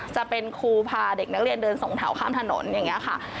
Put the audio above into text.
จะเป็นครูพาเด็กนักเรียนเดินส่งแถวข้ามถนนอย่างนี้ค่ะ